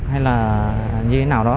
hay là như thế nào đó